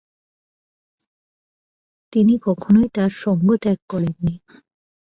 তিনি কখনই তার সঙ্গ ত্যাগ করেননি।